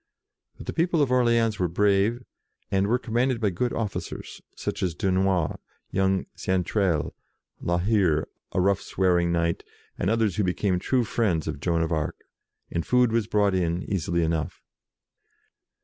But the people of Orleans were brave, and were commanded by good officers, such as Dunois, young Xaintrailles, La Hire, a rough, swearing knight, and others who became true friends of Joan of Arc, and food was brought in easily enough.